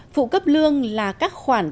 phụ cấp lương là các khoản